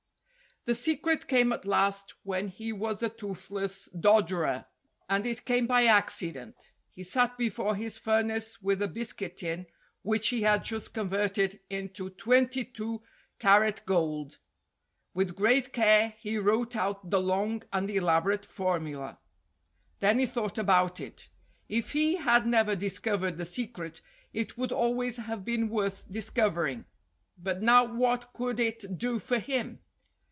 The secret came at last when he was a toothless dodderer, and it came by accident. He sat before his furnace with a biscuit tin which he had just converted into 22 carat gold. With great care he wrote out the long and elaborate formula. Then he thought about it. If he had never dis covered the secret it would always have been worth discovering. But now what could it do for him?